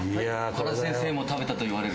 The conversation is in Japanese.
原先生も食べたといわれる。